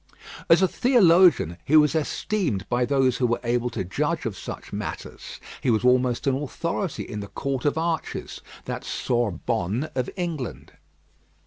As a theologian he was esteemed by those who were able to judge of such matters; he was almost an authority in the Court of Arches that Sorbonne of England.